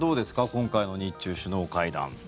今回の日中首脳会談。